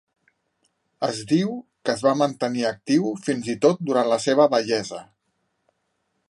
Es diu que es va mantenir actiu fins i tot durant la seva vellesa.